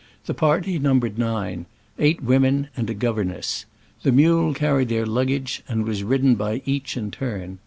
The party num bered nine— eight women and a governess. The mule carried their luggage, and was ridden by each in turn.